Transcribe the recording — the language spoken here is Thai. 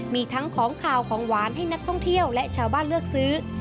มีทั้งของขาวของหวานให้นักท่องเที่ยวและชาวบ้านเลือกซื้อ